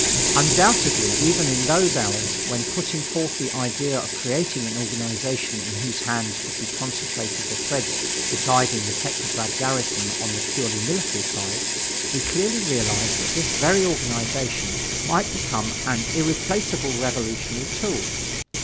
Undoubtedly, even in those hours, when putting forth the idea of creating an organization in whose hands would be concentrated the threads for guiding the Petrograd garrison on the purely military side, we clearly realized that this very organization might become an irreplaceable revolutionary tool.